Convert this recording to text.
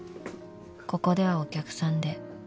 ［ここではお客さんで］